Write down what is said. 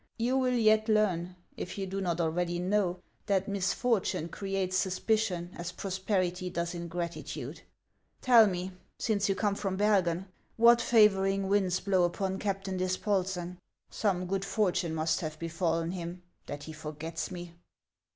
You will yet learn, if you do not already know, that misfortune creates suspicion as prosperity does ingratitude. Tell me, since you come from Bergen, what favoring winds blow upon Captain Dispolsen. Some good fortune must have be fallen him, that he forgets me."